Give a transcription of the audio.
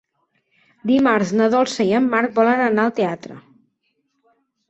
Dimarts na Dolça i en Marc volen anar al teatre.